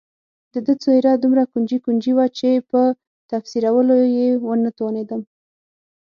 د ده څېره دومره ګونجي ګونجي وه چې په تفسیرولو یې ونه توانېدم.